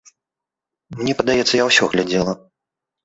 Мне падаецца, я ўсе глядзела.